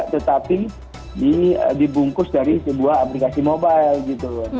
tetapi dibungkus dari sebuah aplikasi mobile gitu